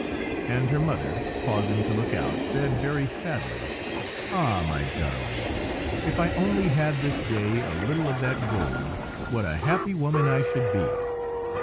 And her mother, pausing to look out, said, very sadly,— "Ah, my darling! if I only had this day a little of that gold, what a happy woman I should be!"